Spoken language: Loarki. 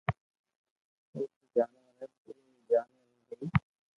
تو تو جونور ھي پرو رو پورو جونور ھي